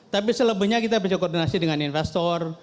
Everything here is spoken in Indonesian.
tapi selebihnya kita bisa koordinasi dengan investor